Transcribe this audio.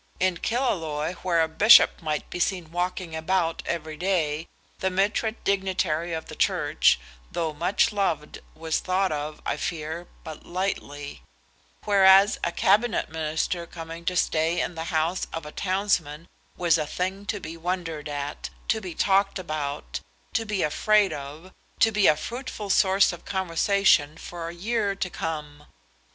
In Killaloe, where a bishop might be seen walking about every day, the mitred dignitary of the Church, though much loved, was thought of, I fear, but lightly; whereas a Cabinet Minister coming to stay in the house of a townsman was a thing to be wondered at, to be talked about, to be afraid of, to be a fruitful source of conversation for a year to come.